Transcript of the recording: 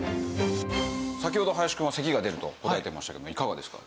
先ほど林くんは咳が出ると答えてましたけどいかがですか？